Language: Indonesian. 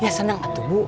ya seneng atuh bu